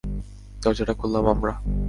দরজাটা খুললাম আমরা!